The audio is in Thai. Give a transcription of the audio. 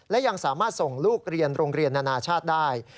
และยังสามารถส่งลูกเรียนโรงเรียนนานาชาติได้